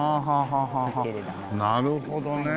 なるほどね。